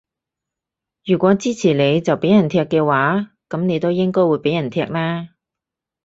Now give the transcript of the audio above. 如果支持你就畀人踢嘅話，噉你都應該會畀人踢啦